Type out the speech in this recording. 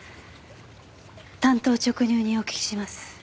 単刀直入にお聞きします。